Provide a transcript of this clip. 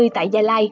tại gia lai